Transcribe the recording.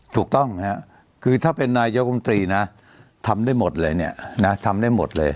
ถูกต้องคือถ้าเป็นนายกรมตรีนะทำได้หมดเลยเนี่ยนะทำได้หมดเลย